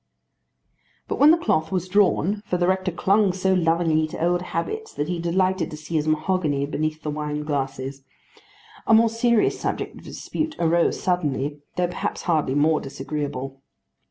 But when the cloth was drawn, for the rector clung so lovingly to old habits that he delighted to see his mahogany beneath the wine glasses, a more serious subject of dispute arose suddenly, though perhaps hardly more disagreeable.